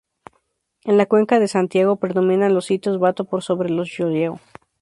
En la cuenca de Santiago, predominan los sitios Bato por sobre los Llolleo.